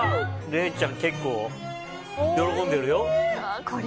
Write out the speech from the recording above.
礼ちゃん、結構喜んでるよ！